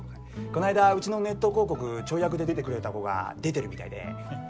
こないだうちのネット広告ちょい役で出てくれた子が出てるみたいで。